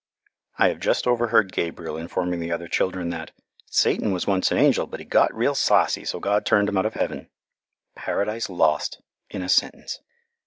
I have just overheard Gabriel informing the other children that "Satan was once an angel, but he got real saucy, so God turned him out of heaven." Paradise Lost in a sentence!